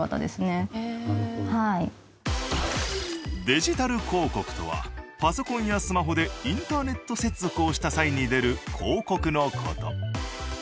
デジタル広告とはパソコンやスマホでインターネット接続をした際に出る広告の事。